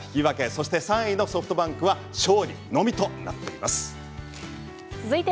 そして３位のソフトバンクは勝利のみとなっています。